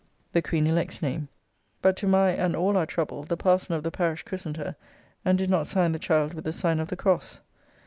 ] (the Queen elect's name); but to my and all our trouble, the Parson of the parish christened her, and did not sign the child with the sign of the cross.